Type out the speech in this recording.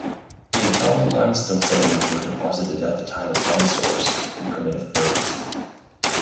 The Antalo Limestone sediments were deposited at the time of dinosaurs and primitive birds.